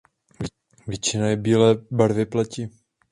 Většina je bílé barvy pleti.